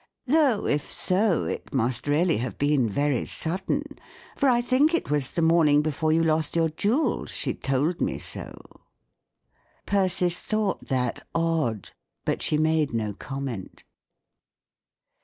" Though, if so, it must really have been very sudden ; for I think it was the morning before you lost your jewels she told me so." Persis thought that odd, but she made no comment.